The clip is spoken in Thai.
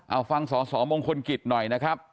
เอาฟังสสมงคลกิจหน่อยนะครับ